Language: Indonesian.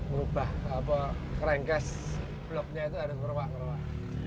merubah apa krengkes bloknya itu ada keruak keruak